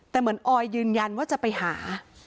แต่เหมือนออยยืนยันว่าจะไปหา